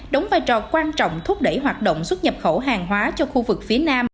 đóng vai trò quan trọng thúc đẩy hoạt động xuất nhập khẩu hàng hóa cho khu vực phía nam